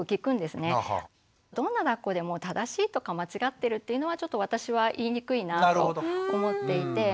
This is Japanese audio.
どんなだっこでも正しいとか間違ってるっていうのはちょっと私は言いにくいなあと思っていて。